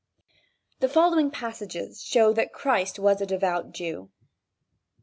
The following passages show that Christ was a devout Jew.